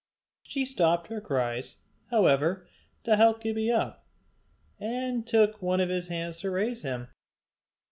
She stopped her cries, however, to help Gibbie up, and took one of his hands to raise him.